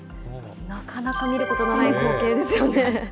なかなか見ることのない光景ですよね。